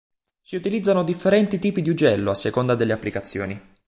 Si utilizzano differenti tipi di ugello a seconda delle applicazioni.